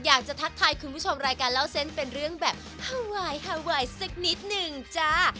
ทักทายคุณผู้ชมรายการเล่าเส้นเป็นเรื่องแบบฮาวายฮาไวน์สักนิดหนึ่งจ้า